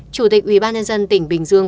chủ tịch ubnd tỉnh bình dương